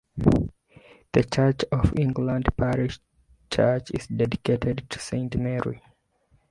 The Church of England parish church is dedicated to Saint Mary.